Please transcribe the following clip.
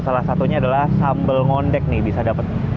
salah satunya adalah sambal ngondek nih bisa dapat